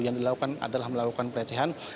yang dilakukan adalah melakukan pelecehan